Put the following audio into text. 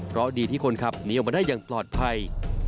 เพราะดีที่คนขับหนีออกมาได้อย่างปลอดภัย